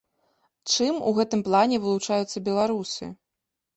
Чым у гэтым плане вылучаюцца беларусы?